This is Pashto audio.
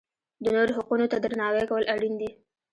د نورو حقونو ته درناوی کول اړین دي.